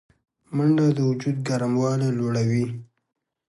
منډه د وجود ګرموالی لوړوي